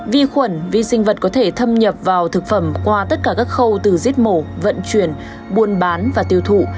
vi khuẩn vi sinh vật có thể thâm nhập vào thực phẩm qua tất cả các khâu từ giết mổ vận chuyển buôn bán và tiêu thụ